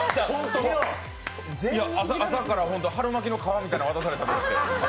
朝から春巻きの皮みたいなもん渡されたんで。